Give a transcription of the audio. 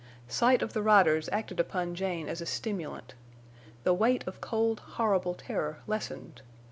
Sight of the riders acted upon Jane as a stimulant. The weight of cold, horrible terror lessened.